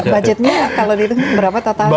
budgetnya kalau di itu berapa total